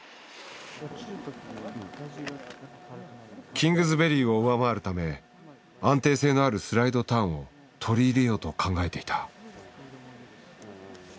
キングズベリーを上回るため安定性のあるスライドターンを取り入れようと考えていた。